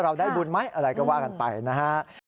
ได้บุญไหมอะไรก็ว่ากันไปนะฮะ